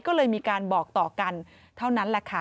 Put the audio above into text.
ก็เลยมีการบอกต่อกันเท่านั้นแหละค่ะ